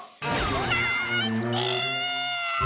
なんで！？